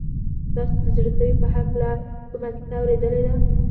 تاسو د زړه سوي په هکله کومه کیسه اورېدلې ده؟